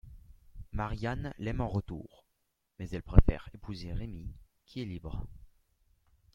Marianne l'aime en retour, mais elle préfère épouser Rémy qui est libre.